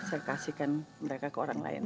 saya kasihkan mereka ke orang lain